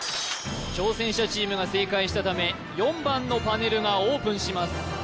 挑戦者チームが正解したため４番のパネルがオープンします